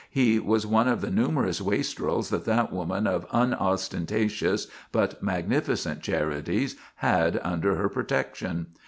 He was one of the numerous wastrels that that woman of unostentatious but magnificent charities had under her protection.